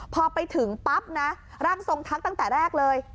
พอไปถึงปั๊บนะร่างทรงทักตั้งแต่แรกเลย